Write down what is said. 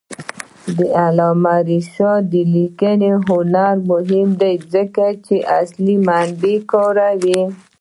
د علامه رشاد لیکنی هنر مهم دی ځکه چې اصلي منابع کاروي.